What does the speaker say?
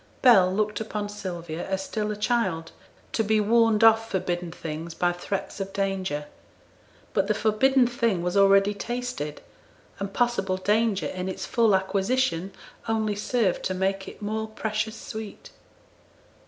Bell looked upon Sylvia as still a child, to be warned off forbidden things by threats of danger. But the forbidden thing was already tasted, and possible danger in its full acquisition only served to make it more precious sweet.